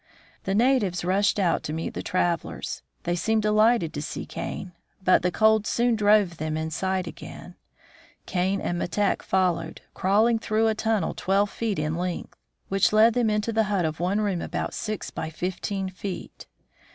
The natives rushed out to meet the travelers. They seemed delighted to see Kane, but the cold soon drove them inside again. Kane and Metek followed, crawling 44 THE FROZEN NORTH through a tunnel twelve feet in length, which led them into the hut of one room about six by fifteen feet.